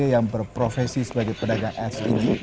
yang berprofesi sebagai pedagang sid